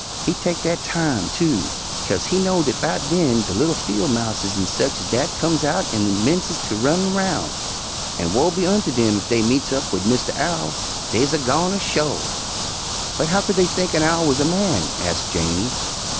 He teck dat time, too, 'kase he know dat 'bout den de li'l fiel' mouses an' sech ez dat comes out an' 'mences ter run roun', an' woe be unter 'em ef dey meets up wid Mistah Owl; deys a goner, sho'." "But how could they think an owl was a man?" asked Janey.